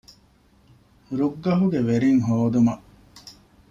ރުއްގަހުގެ ވެރިންހޯދުމަށް